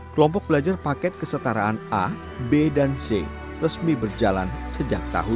kelompok belajar paket kesetaraan a b dan c resmi berjalan sejak tahun dua ribu dua